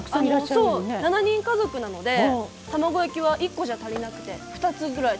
７人家族なので卵焼きは１個じゃ足りなくて２つぐらい。